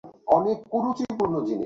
ওটা আরো বেশি ভয়ঙ্কর ছিল।